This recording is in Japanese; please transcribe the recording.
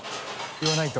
言わないと。